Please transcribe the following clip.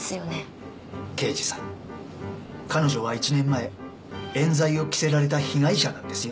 刑事さん彼女は１年前冤罪を着せられた被害者なんですよ。